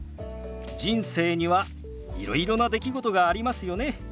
人生にはいろいろな出来事がありますよね。